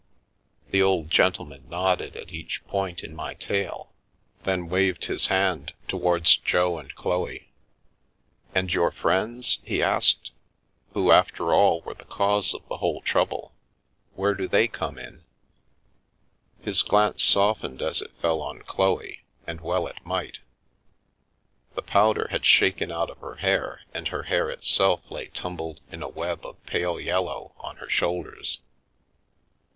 The old gentleman nodded at each point in my tale, then waved his hand towards Jo and Chloe. "And your friends?" he asked, " who, after all, were the cause of the whole trouble, where do they come in ?" His glance softened as it fell on Chloe, and well it might The powder had shaken out of her hair and her hair itself lay tumbled in a web of pale yellow on her shoulders.